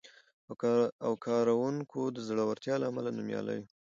او کارونکو د زړورتیا له امله نومیالی و،